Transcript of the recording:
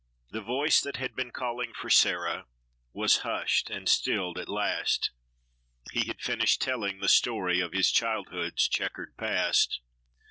The voice that had been calling for Sarah was hushed and stilled at last, He had finished telling the story of his childhood's checkered past.